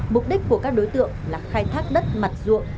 mục đích của các đối tượng là khai thác đất mặt ruộng